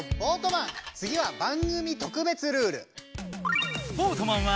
つぎは番組特別ルール。